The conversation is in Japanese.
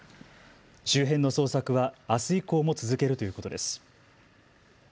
周辺の捜索はあす以降も続けるということです。